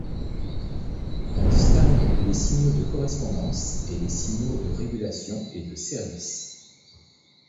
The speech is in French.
On distingue les signaux de correspondance et les signaux de régulation et de service.